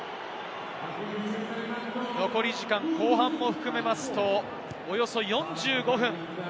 残り時間、後半も含めますと、およそ４５分。